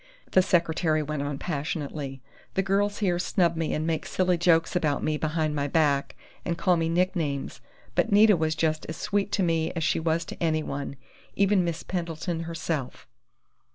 the secretary went on passionately. "The girls here snub me and make silly jokes about me behind my back and call me nicknames, but Nita was just as sweet to me as she was to anyone even Miss Pendleton herself!"